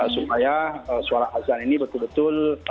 supaya suara azan ini betul betul